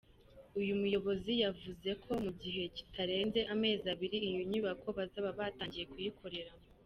Uyu muyobozi yavuze ko mu gihe kitarenze amezi abiri iyi nyubako bazaba batangiye kuyikoreramo.